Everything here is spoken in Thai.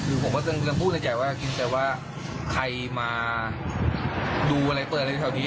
คือผมก็คือพูดในใจว่าคือแบบว่าใครมาดูอะไรเปิดอะไรแถวนี้